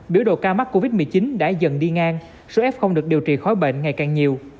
biểu độ ca mắc covid một mươi chín đã dần đi ngang số f được điều trị khỏi bệnh ngày càng nhiều